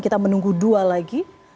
kita menunggu dua lagi